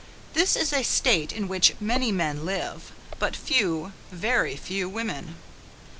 This is a state in which many men live; but few, very few women.